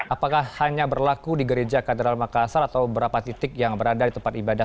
apakah hanya berlaku di gereja katedral makassar atau berapa titik yang berada di tempat ibadah